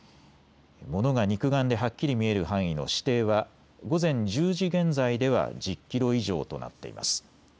物が肉眼ではっきり見える範囲の視程は午前１０時現在では１０キロ以上となっています。